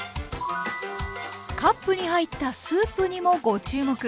カップに入ったスープにもご注目。